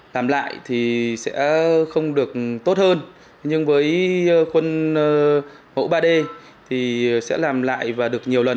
làm lại thì sẽ không được tốt hơn nhưng với quân hộ ba d thì sẽ làm lại và được nhiều lần